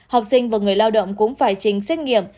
học sinh và người lao động cũng phải trình xét nghiệm